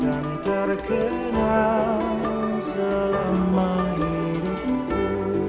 dan terkenal selama hidupku